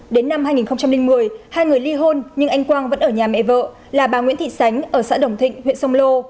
đến năm hai nghìn một mươi hai người ly hôn nhưng anh quang vẫn ở nhà mẹ vợ là bà nguyễn thị sánh ở xã đồng thịnh huyện sông lô